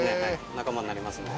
仲間になりますね。